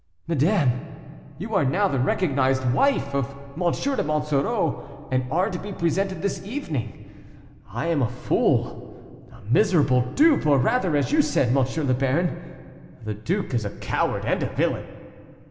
Madame, you are now the recognized wife of M. de Monsoreau, and are to be presented this evening. I am a fool a miserable dupe, or rather, as you said, M. le Baron, the duke is a coward and a villain."